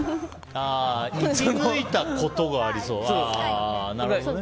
生き抜いたことがありそうなるほどね。